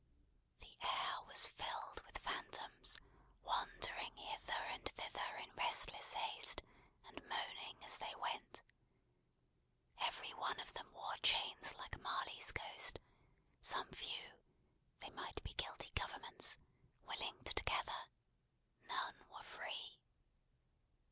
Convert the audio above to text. The air was filled with phantoms, wandering hither and thither in restless haste, and moaning as they went. Every one of them wore chains like Marley's Ghost; some few (they might be guilty governments) were linked together; none were free.